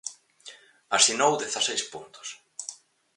Asinou dezaseis puntos.